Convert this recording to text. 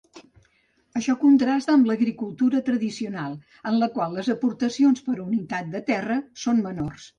Això contrasta amb l'agricultura tradicional, en la qual les aportacions per unitat de terra són menors.